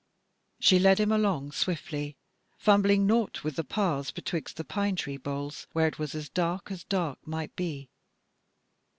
She led him along swiftly, fumbling nought with the paths betwixt the pine tree boles, where it was as dark as dark might be.